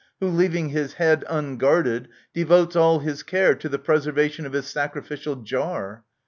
(who, leaving his head unguarded, devotes all his care . to the preservation of his sacrificial jar).